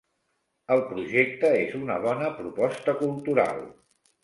El projecte és una bona proposta cultural.